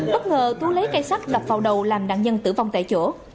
bất ngờ tú lấy cây sắt đập vào đầu làm nạn nhân tử vong tại chỗ